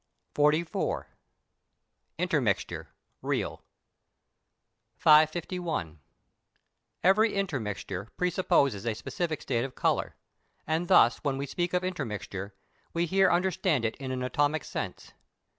XLIV. INTERMIXTURE, REAL. 551. Every intermixture pre supposes a specific state of colour; and thus when we speak of intermixture, we here understand it in an atomic sense.